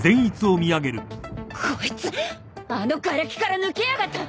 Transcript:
こいつあのがれきから抜けやがった！